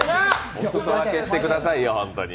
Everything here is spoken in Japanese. お裾分けしてくださいよホントに。